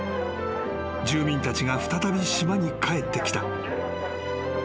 ［住民たちが再び島に帰ってきた］